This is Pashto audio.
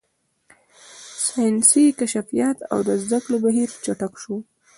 ساینسي کشفیات او د زده کړې بهیر چټک شو.